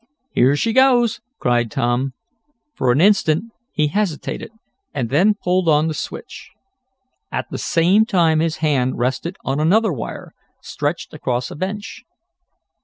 "Here she goes!" cried Tom. For an instant he hesitated and then pulled the switch. At the same time his hand rested on another wire, stretched across a bench.